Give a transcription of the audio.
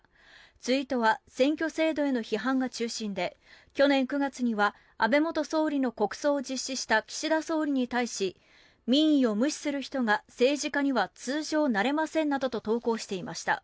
ツイートは選挙制度への批判が中心で去年９月には安倍元総理の国葬を実施した岸田総理に対し民意を無視する人が政治家には通常なれませんなどと投稿していました。